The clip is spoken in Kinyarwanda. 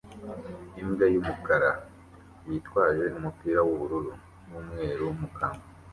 Imbwa y'umukara yitwaje umupira w'ubururu n'umweru mu kanwa